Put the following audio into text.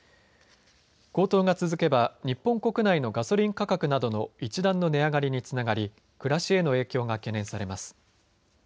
高騰が続けば日本国内のガソリン価格などの一段の値上がりにつながり暮らしへの影響が懸念されます。